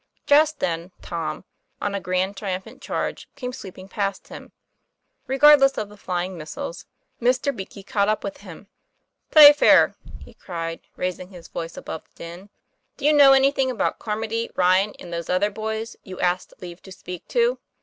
Just then, Tom, on a grand triumphant charge, came sweeping past him. Regardless of the flying missiles, Mr. Beakey caught up with him. "Playfair," he cried, raising his voice above the din, "do you know anything about Carmody, Ryan, and those other boys you asked leave to speak to